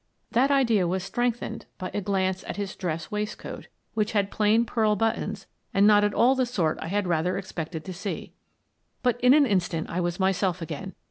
That idea was strengthened by a glance at his dress waistcoat which had plain pearl buttons and not at all the sort I had rather expected to see. But in an instant I was myself again.